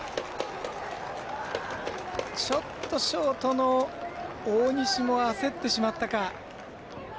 ちょっとショートの大西も焦ってしまったか。